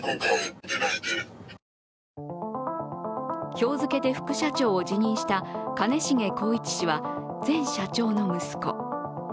今日付けで副社長を辞任した兼重宏一氏は前社長の息子。